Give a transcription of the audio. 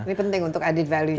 ini penting untuk added value